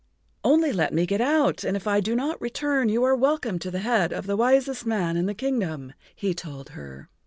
"Only let me get out, and if I do not return you are welcome to the head of the wisest man in the kingdom," he told her.